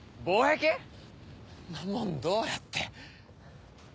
そんなもんどうやって。